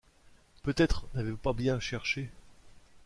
Peut-être n’avez-vous pas bien cherché?